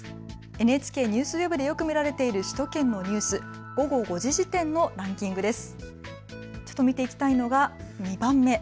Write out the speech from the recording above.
ＮＨＫＮＥＷＳＷＥＢでよく見られている首都圏のニュース午後５時時点のランキングです。